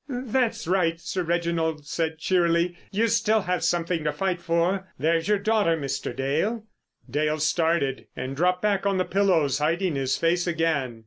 "That's right!" Sir Reginald said cheerily. "You still have something to fight for.... There's your daughter, Mr. Dale." Dale started and dropped back on the pillows, hiding his face again.